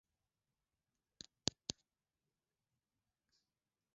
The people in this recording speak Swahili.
Njia ya kukabiliana na ugonjwa wa homa ya mapafu ni kutenga makundi yenye maambukizi